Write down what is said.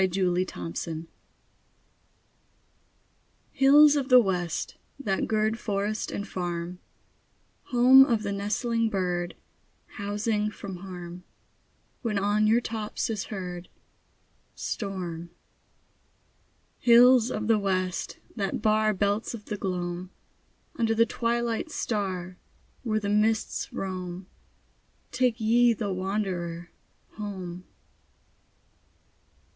HILLS OF THE WEST Hills of the west, that gird Forest and farm, Home of the nestling bird, Housing from harm, When on your tops is heard Storm: Hills of the west, that bar Belts of the gloam, Under the twilight star, Where the mists roam, Take ye the wanderer Home.